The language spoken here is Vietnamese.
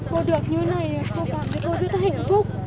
cô được như thế này cô cảm thấy cô rất là hạnh phúc